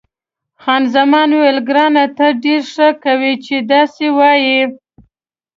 خان زمان وویل، ګرانه ته ډېره ښه کوې چې داسې وایې.